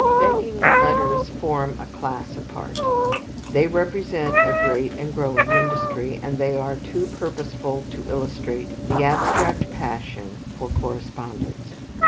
Begging letters form a class apart. They represent a great and growing industry, and they are too purposeful to illustrate the abstract passion for correspondence.